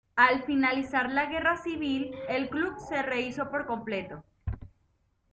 Al finalizar la Guerra Civil, el club se rehízo por completo.